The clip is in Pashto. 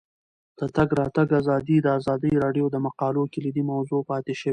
د تګ راتګ ازادي د ازادي راډیو د مقالو کلیدي موضوع پاتې شوی.